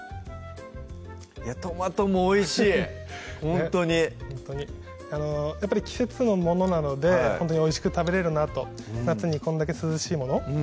トマトもおいしいほんとにほんとにやっぱり季節のものなのでほんとにおいしく食べれるなと夏にこんだけ涼しいもの